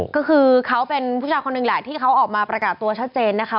ก็คือเขาเป็นผู้ชายคนหนึ่งแหละที่เขาออกมาประกาศตัวชัดเจนนะคะ